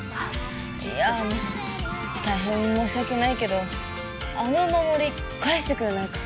いやあの大変申し訳ないけどあのお守り返してくれないか？